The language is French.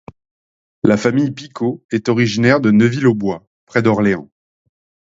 La famille Picot est originaire de Neuville-aux-Bois, près d'Orléans.